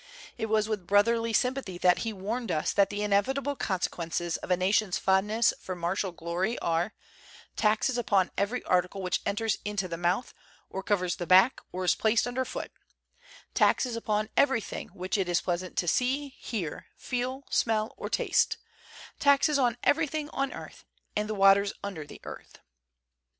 It was with brotherly sympathy that he warned us that the inevitable consequences of a nation's fondness for martial glory are "taxes upon every article which enters into the mouth, or covers the back, or is placed under foot taxes upon everything which it is pleasant to see, hear, feel, smell or taste taxes on everything on earth, and the waters under the earth."